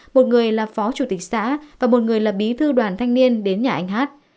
một người là phó chủ tịch xã và một người là bí thư đoàn thanh niên đến nhà anh hát